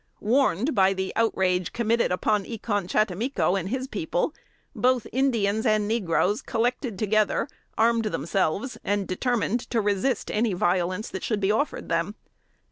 Warned by the outrage committed upon E con chattimico and his people, both Indians and negroes collected together, armed themselves, and determined to resist any violence that should be offered them.